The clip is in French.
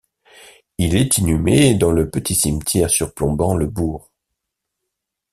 Il est inhumé dans le petit cimetière surplombant le bourg.